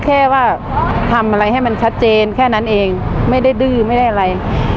แค่ว่าทำอะไรให้มันชัดเจนแค่นั้นเองไม่ได้ดื้อไม่ได้อะไร